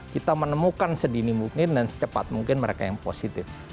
kita menemukan sedini mungkin dan secepat mungkin mereka yang positif